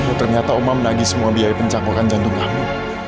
kamu ternyata oma menangis semua biaya pencangkukan jantung kamu